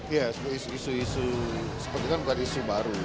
iya isu isu seperti itu kan bukan isu baru